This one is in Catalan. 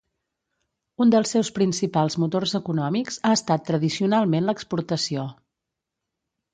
Un dels seus principals motors econòmics ha estat tradicionalment l'exportació.